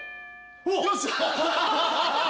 よっしゃ！